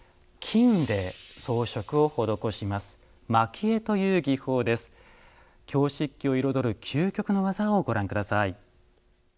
京漆器を彩る究極の技をご覧下さい。